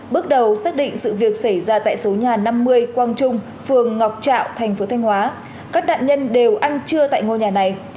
bước đầu xác định sự việc xảy ra tại số nhà năm mươi quang trung phường ngọc trạo thành phố thanh hóa các nạn nhân đều ăn trưa tại ngôi nhà này